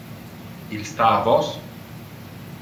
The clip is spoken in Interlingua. Il sta a vos.